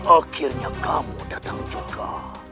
akhirnya kamu datang juga